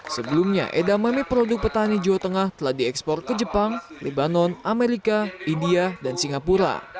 sebelumnya edamame produk petani jawa tengah telah diekspor ke jepang lebanon amerika india dan singapura